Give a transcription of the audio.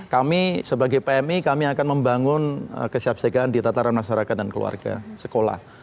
kami sebagai pmi kami akan membangun kesiapsiagaan di tataran masyarakat dan keluarga sekolah